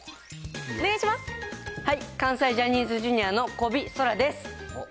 はい、関西ジャニーズＪｒ．の小尾颯です。